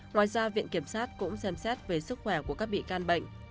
ngoài ra viện kiểm sát cũng xem xét về sức khỏe của các bị can bệnh